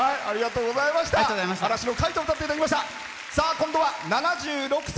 今度は７６歳。